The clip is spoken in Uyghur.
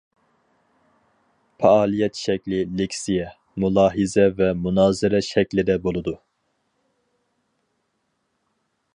پائالىيەت شەكلى لېكسىيە، مۇلاھىزە ۋە مۇنازىرە شەكلىدە بولىدۇ.